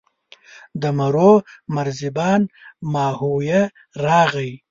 د مرو مرزبان ماهویه راغی.